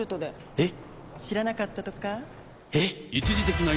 えっ⁉